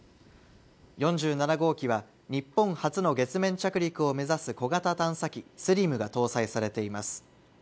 ４７号機は日本初の月面着陸を目指す小型探査機ＳＬＩＭが搭載されています